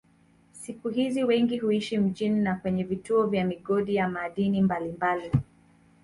Siku hizi wengi huishi mjini na kwenye vituo vya migodi ya madini mbalimbali.